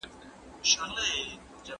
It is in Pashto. ټول انسانان د ځمکي پر مخ د ژوند حق لري.